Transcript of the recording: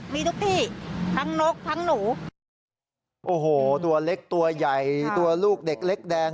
มีทุกที่ทั้งนกทั้งหนูโอ้โหตัวเล็กตัวใหญ่ตัวลูกเด็กเล็กแดง